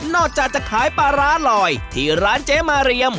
จากจะขายปลาร้าลอยที่ร้านเจ๊มาเรียม